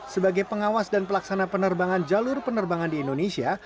sebagai pengawas dan pelaksana penerbangan jalur penerbangan di indonesia